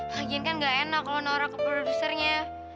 lagian kan gak enak kalau norak ke produsernya